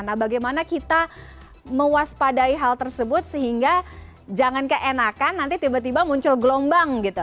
nah bagaimana kita mewaspadai hal tersebut sehingga jangan keenakan nanti tiba tiba muncul gelombang gitu